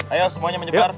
ayo semuanya menyebar